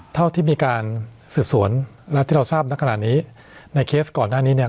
เท่าที่มีการสืบสวนและที่เราทราบนักขณะนี้ในเคสก่อนหน้านี้เนี่ย